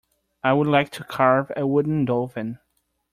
I would like to carve a wooden dolphin.